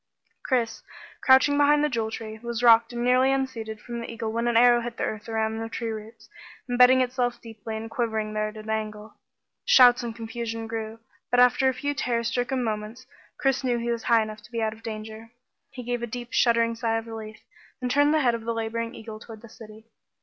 Chris, crouching behind the Jewel Tree, was rocked and nearly unseated from the eagle when an arrow hit the earth around the Tree roots, imbedding itself deeply and quivering there at an angle. The shouts and confusion grew, but after a few terror stricken moments Chris knew he was high enough to be out of danger. He gave a deep shuddering sigh of relief, and turned the head of the laboring eagle toward the city.